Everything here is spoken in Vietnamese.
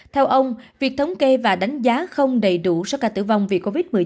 theo ông việc thống kê và đánh giá không đầy đủ số ca tử vong vì covid một mươi chín